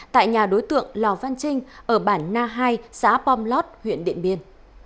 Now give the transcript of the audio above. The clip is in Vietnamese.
tại nhà đối tượng lò văn trinh ở bản na hai xã pom lót huyện điện biên